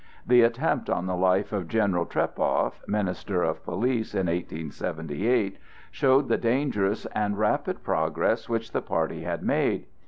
The attempt on the life of General Trepow, minister of police, in 1878, showed the dangerous and rapid progress which the party had made.